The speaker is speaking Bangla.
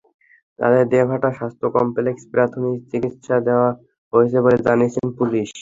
তাঁদের দেবহাটা স্বাস্থ্য কমপ্লেক্সে প্রাথমিক চিকিত্সা দেওয়া হয়েছে বলে জানিয়েছে পুলিশ।